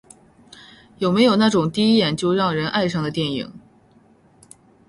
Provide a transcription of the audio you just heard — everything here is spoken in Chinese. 有没有那种第一眼就让人爱上的电影？